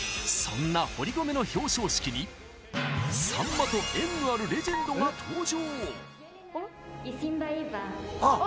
そんな堀米の表彰式に、さんまと縁のあるレジェンドが登場。